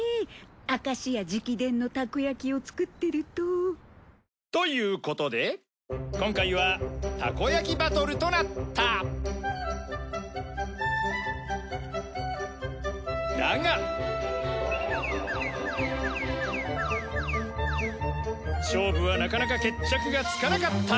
明石屋直伝のたこやきを作ってると。ということで今回はたこやきバトルとなっただが勝負はなかなか決着がつかなかった。